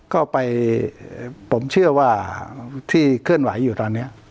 ก็ไปผมเชื่อว่าที่เคลื่อนไหวอยู่ตอนนี้